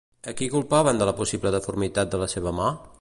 A qui culpaven de la possible deformitat de la seva mà?